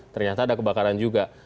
ternyata ada kebakaran juga